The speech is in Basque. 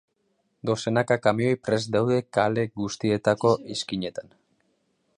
Dozenaka kamioi prest daude kale guztietako izkinetan.